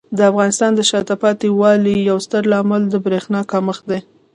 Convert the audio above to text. د افغانستان د شاته پاتې والي یو ستر عامل د برېښنا کمښت دی.